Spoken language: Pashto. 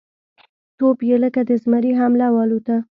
توپ یې لکه د زمري حمله والوته